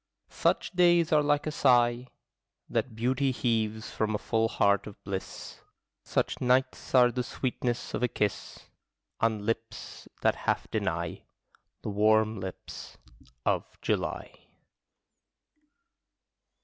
Such days are like a sigh That beauty heaves from a full heart of bliss: Such nights are like the sweetness of a kiss On lips that half deny, The warm lips of July.